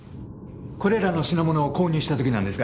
これらの品物を購入した時なんですが。